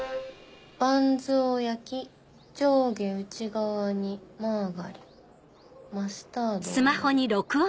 「バンズを焼き上下内側にマーガリンマスタードを塗る」。